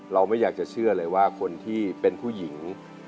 เราไม่อยากจะเชื่อเลยว่าคนที่เป็นผู้หญิง